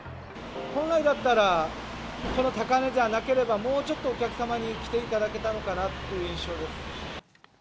本来だったら、こんな高値じゃなければ、もうちょっとお客様に来ていただけたのかなっていう印象です。